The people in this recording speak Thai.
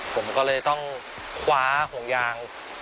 ผมก็เลยต้องคว้าห่วงยาง